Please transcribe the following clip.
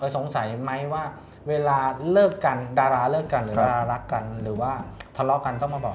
สงสัยไหมว่าเวลาเลิกกันดาราเลิกกันหรือว่ารักกันหรือว่าทะเลาะกันต้องมาบอก